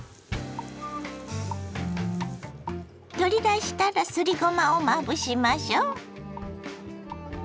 取り出したらすりごまをまぶしましょ。